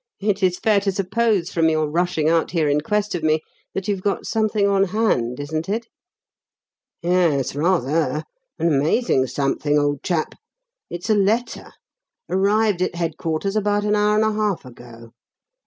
It is fair to suppose, from your rushing out here in quest of me, that you've got something on hand, isn't it?" "Yes rather! An amazing 'something,' old chap. It's a letter. Arrived at headquarters about an hour and a half ago.